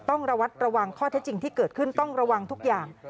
ต้องระวัดระวังข้อเท็จจริงที่เกิดขึ้นต้องระวังทุกอย่าง